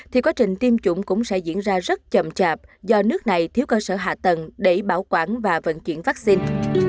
thì quá trình tiêm chủng cũng sẽ diễn ra rất chậm chạp do nước này thiếu cơ sở hạ tầng để bảo quản và vận chuyển vaccine